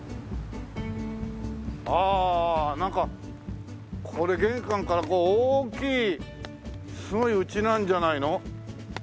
ああなんかこれ玄関から大きいすごい家なんじゃないの？